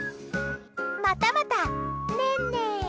またまた、ねんね。